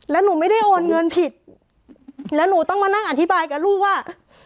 แล้วหนูไม่ได้โอนเงินผิดแล้วหนูต้องมานั่งอธิบายกับลูกว่า